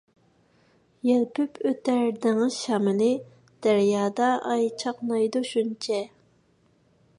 يەلپۈپ ئۆتەر دېڭىز شامىلى، دەريادا ئاي چاقنايدۇ شۇنچە.